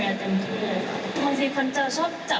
ก็อยากจะให้แฟนได้รู้บ้างแล้วก็ได้คุยบ้างว่าแบบ